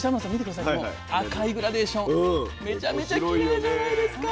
この赤いグラデーションめちゃめちゃきれいじゃないですか